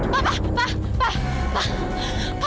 pak pak pak pak